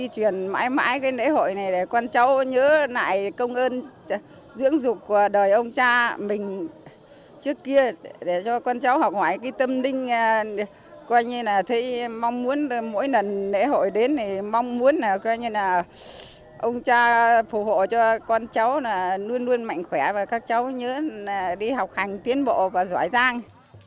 trò chơi dần dàn như đi học hành tiến bộ và giỏi giang